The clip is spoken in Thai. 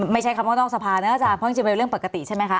ไม่ใช่คำว่านอกสภานะอาจารย์เพราะจริงเป็นเรื่องปกติใช่ไหมคะ